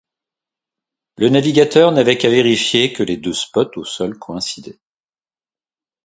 Le navigateur n'avait qu'à vérifier que les deux spots au sol coïncidaient.